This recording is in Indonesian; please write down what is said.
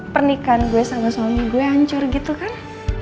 pernikahan gue sama suami gue hancur gitu kan